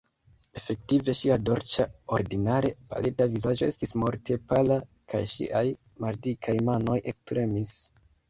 Efektive ŝia dolĉa, ordinare paleta vizaĝo estis morte pala, kaj ŝiaj maldikaj manoj ektremis.